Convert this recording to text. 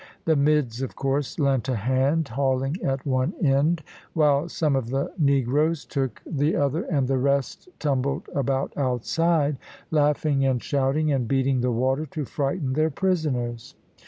The mids of course lent a hand, hauling at one end, while some of the negroes took the other, and the rest tumbled about outside, laughing and shouting, and beating the water to frighten their prisoners.